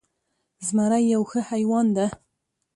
زمری یو ښه حیوان ده